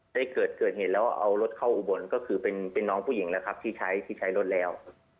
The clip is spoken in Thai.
ได้เกิดเหตุแล้วเอารถเข้าอุบลก็คือเป็นน้องผู้หญิงนะครับที่ใช้ที่ใช้รถแล้ว